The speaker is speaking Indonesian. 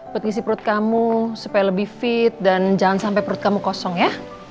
petisi perut kamu supaya lebih fit dan jangan sampai perut kamu kosong ya